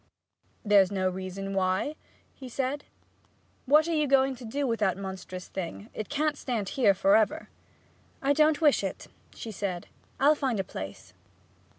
'There's no reason why,' he said. 'What are you going to do with the monstrous thing? It can't stand here for ever.' 'I don't wish it,' she said. 'I'll find a place.'